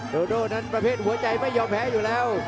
โดโดนั้นประเภทหัวใจไม่ยอมแพ้อยู่แล้ว